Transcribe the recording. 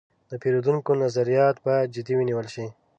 د پیرودونکو نظریات باید جدي ونیول شي.